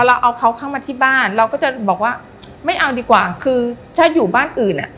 เราเอาเขาเข้ามาที่บ้านเราก็จะบอกว่าไม่เอาดีกว่าคือถ้าอยู่บ้านอื่นอ่ะ